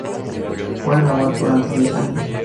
Fue el abad durante diez años.